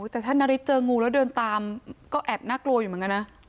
แต่ถ้านาริสเจองูแล้วเดินตามก็แอบน่ากลัวอยู่เหมือนกันนะ